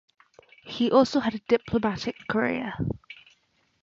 He also had a diplomatic career.